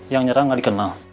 yang nyerah nggak dikenal